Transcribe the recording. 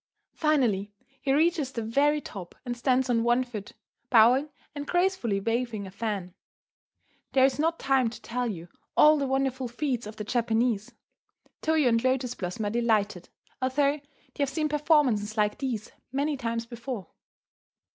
Finally he reaches the very top and stands on one foot, bowing and gracefully waving a fan. There is not time to tell you all the wonderful feats of the Japanese. Toyo and Lotus Blossom are delighted, although they have seen performances like these many times before.